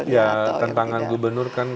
ya tantangan gubernur kan